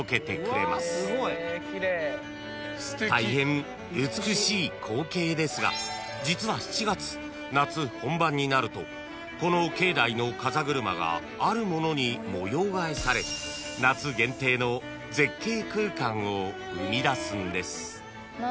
［大変美しい光景ですが実は７月夏本番になるとこの境内のかざぐるまがあるものに模様替えされ夏限定の絶景空間を生み出すんです］